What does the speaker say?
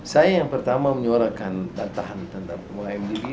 saya yang pertama menyuarakan latihan tentang satu mdb